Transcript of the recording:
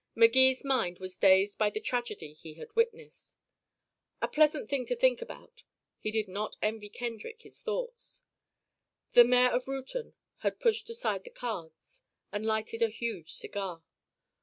Magee's mind was dazed by the tragedy he had witnessed. "A pleasant thing to think about " He did not envy Kendrick his thoughts. The mayor of Reuton had pushed aside the cards and lighted a huge cigar.